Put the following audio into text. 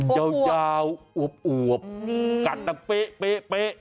ยาวอวบกัดดังเป๊ะ